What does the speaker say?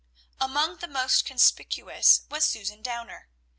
Among the most conspicuous was Susan Downer.